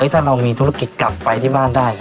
ถ้าเรามีธุรกิจกลับไปที่บ้านได้